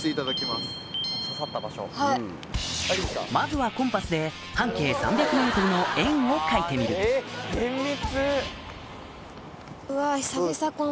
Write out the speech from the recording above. まずはコンパスで半径３００ｍの円を描いてみるえっ厳密！